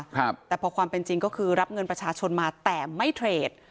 ครับแต่พอความเป็นจริงก็คือรับเงินประชาชนมาแต่ไม่เทรด